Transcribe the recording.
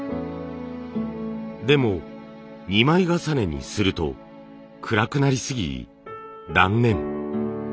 でも２枚重ねにすると暗くなりすぎ断念。